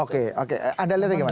oke oke anda lihat bagaimana